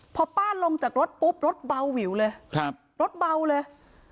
พอป้าลงจากรถปุ๊บรถเบาวิวเลยครับรถเบาเลย